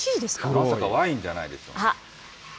まさかワインじゃないでしょうね。